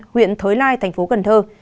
huyện thới lai tp cần thơ